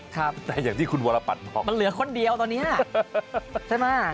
แต่อย่างที่คุณวรปัตรบอกมันเหลือคนเดียวตอนนี้ใช่ไหม